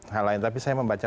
hal lain tapi saya membaca